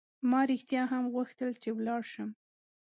ما رښتیا هم غوښتل چې ولاړ شم.